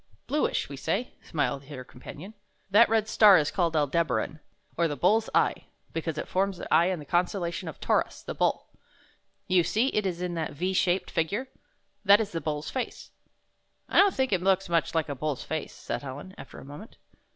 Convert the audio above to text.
"Bluish, we say," smiled her companion. "That red star is called Al deb' a ran, or the Bull's Eye, because it forms the eye in the constellation of Tau' rus, the Bull. You see it is in that V shaped figui'e? That is the Bull's face." "I don't think it looks much like a bull's face," said Helen, after a moment.